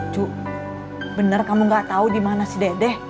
cuk bener kamu nggak tahu di mana si dede